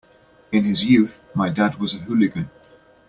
In his youth my dad was a hooligan.